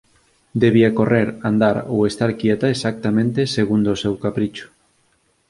Debía correr, andar ou estar quieta exactamente segundo o seu capricho.